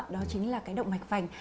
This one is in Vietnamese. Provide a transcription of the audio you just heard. đó chính là cái động mạch vành